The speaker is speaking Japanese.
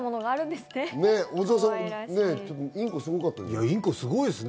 小澤さん、インコすごかったですね。